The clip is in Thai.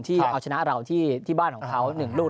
เอาชนะเราที่บ้านของเขา๑ลูก